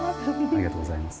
ありがとうございます。